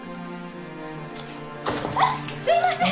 あっすいません！